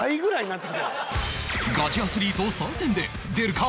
ガチアスリート参戦で出るか？